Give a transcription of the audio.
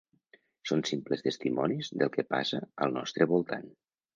Som simples testimonis del que passa al nostre voltant.